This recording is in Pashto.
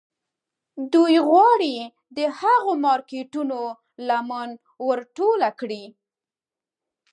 دوی غواړي د هغو مارکيټونو لمن ور ټوله کړي.